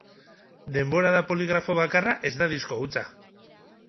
Denbora da poligrafo bakarra ez da disko hutsa.